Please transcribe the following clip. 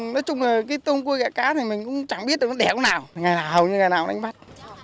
nói chung là cái tôm cua gạ cá thì mình cũng chẳng biết nó đẻ có nào ngày nào hầu như ngày nào đánh bắt